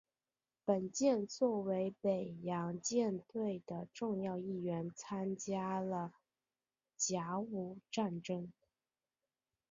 本舰作为北洋舰队的重要一员参加了甲午战争。